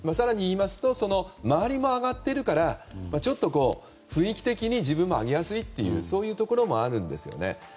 更にいいますと周りも上がっているからちょっと雰囲気的に自分も上げやすいというそういうところもありますね。